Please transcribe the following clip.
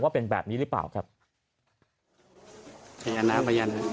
เป็นแบบนี้หรือเปล่าครับ